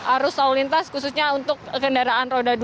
arus lalu lintas khususnya untuk kendaraan roda dua